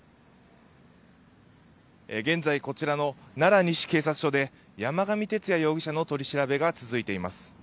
現在こちらの奈良西警察署で山上徹也容疑者の取り調べが続いています。